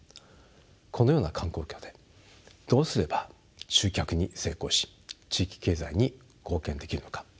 このような環境下でどうすれば集客に成功し地域経済に貢献できるのか。